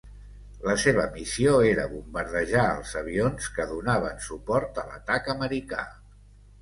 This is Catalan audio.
La seva missió era bombardejar els avions que donaven suport a l'atac americà.